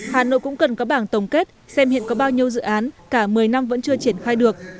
hà nội cũng cần có bảng tổng kết xem hiện có bao nhiêu dự án cả một mươi năm vẫn chưa triển khai được